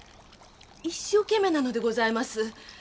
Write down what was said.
一生懸命なのでございます。